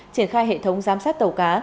triển khai hệ thống giám sát tàu cá